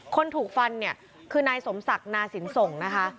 คนถูกฟันเนี่ยคือนายสมศักดิ์นาสินส่งนะคะ